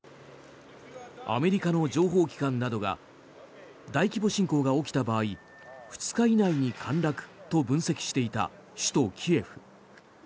アメリカの情報機関などが大規模侵攻が起きた場合２日以内に陥落と分析していた首都キエフ。